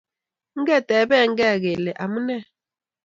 Ngetebekei kele amune